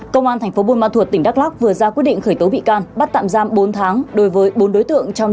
công an tp bôn ma thuật tỉnh đắk lóc vừa ra quyết định khởi tố bị can bắt tạm giam bốn tháng đối với bốn đối tượng